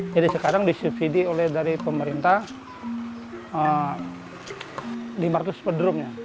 jadi sekarang disuvidi oleh dari pemerintah lima ratus bedroomnya